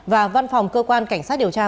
và văn phòng cơ quan cảnh sát điều tra